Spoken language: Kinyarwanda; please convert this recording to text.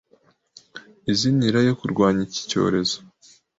iznira yo kurwanya iki cyorezo